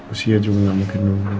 usia juga gak mungkin nungguin